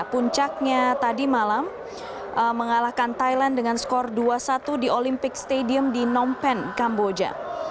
puncaknya tadi malam mengalahkan thailand dengan skor dua satu di olympic stadium di phnom penh kamboja